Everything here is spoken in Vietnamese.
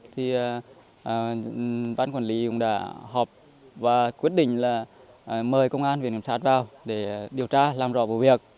thì ban quản lý cũng đã họp và quyết định là mời công an viện kiểm sát vào để điều tra làm rõ vụ việc